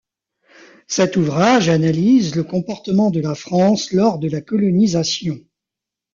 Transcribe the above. Cet ouvrage analyse le comportement de la France lors de la colonisation.